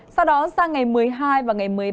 sau đó sang ngày một mươi hai và ngày một mươi ba